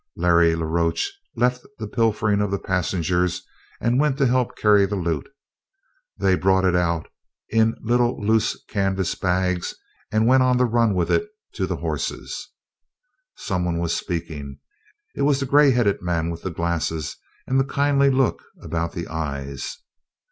Larry la Roche left the pilfering of the passengers and went to help carry the loot. They brought it out in little loose canvas bags and went on the run with it to the horses. Someone was speaking. It was the gray headed man with the glasses and the kindly look about the eyes.